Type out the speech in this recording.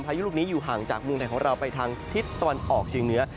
พายุลูกนี้อยู่ห่างจากเมืองไทยของเราไปทางทิศตะวันออกเชียงเหนือ